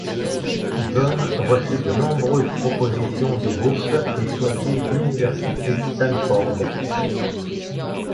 John reçu de nombreuses propositions de bourses et choisi l'Université Stanford.